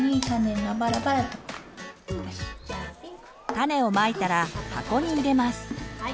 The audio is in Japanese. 種をまいたら箱に入れます。